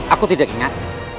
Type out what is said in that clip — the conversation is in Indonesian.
aku tidak ingat